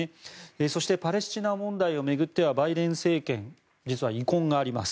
そしてパレスチナ問題を巡ってはバイデン政権実は遺恨があります。